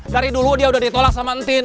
dari dulu dia udah ditolak sama entin